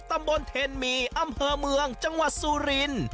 ตำบลเทนมีอำเภอเมืองจังหวัดสุรินทร์